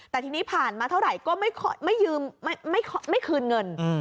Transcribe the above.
แต่ทีนี้ผ่านมาเท่าไหร่ก็ไม่คืนเงิน